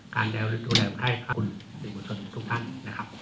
การแดดดูแลให้คุณผู้ชมทุกท่านนะครับ